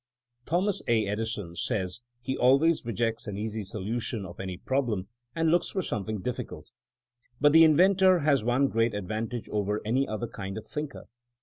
Thomas A, Edison says he always rejects an easy solution of any problem and looks for something difficult. But the inventor has one great advantage over any other kind of thinker.